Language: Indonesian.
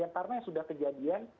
karena sudah kejadian